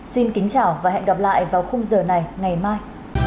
xin kính chào và hẹn gặp lại vào khung giờ này ngày mai